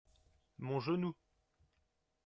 Mon genou.